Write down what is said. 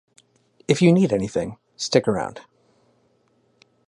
If you need anything, stick around.